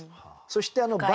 そしてあの。